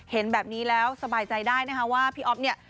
เห็นแบบนี้แล้วสบายใจได้นะคะว่าพี่อ๊อฟเนี่ย